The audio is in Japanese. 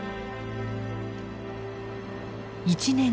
１年後。